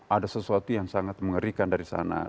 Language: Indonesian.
ada sesuatu yang sangat mengerikan dari sana